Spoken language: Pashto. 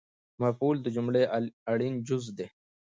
مفعول د جملې اړین جز دئ